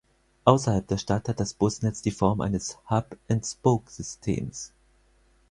Außerhalb der Stadt hat das Busnetz die Form eines Hub-and-Spoke-Systems.